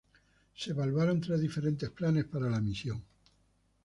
Se evaluaron tres diferentes planes para la misión.